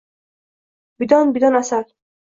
Bidon-bidon asal